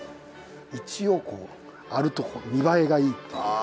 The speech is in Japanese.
一応こうあると見栄えがいいっていう感じで。